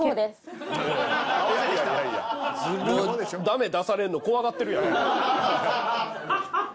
駄目出されんの怖がってるやん。